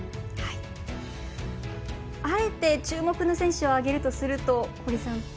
あえて注目の選手を挙げるとすると堀さん